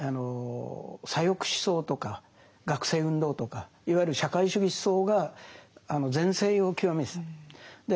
左翼思想とか学生運動とかいわゆる社会主義思想が全盛を極めてた。